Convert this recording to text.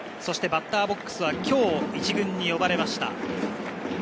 バッターボックスは今日、１軍に呼ばれました。